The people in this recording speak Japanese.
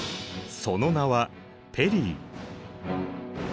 その名はペリー。